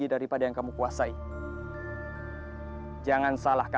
ya sudah kamu lupakan saja ya